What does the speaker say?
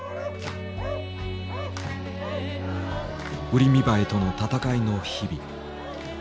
ウリミバエとのたたかいの日々。